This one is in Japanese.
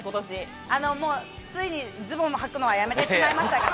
ついにズボンをはくのをやめてしまいましたけど。